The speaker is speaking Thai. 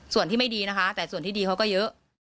ส่วนที่ไม่ดีนะคะแต่ส่วนที่ดีเขาก็เยอะ